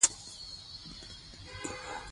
که څوک وي او کنه ژوند به روان وي